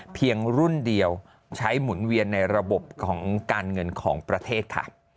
รุ่นเดียวใช้หมุนเวียนในระบบของการเงินของประเทศค่ะ